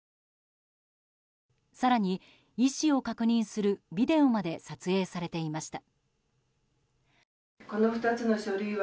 更に、意思を確認するビデオまで撮影されていました。